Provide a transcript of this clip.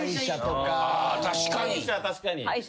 確かに。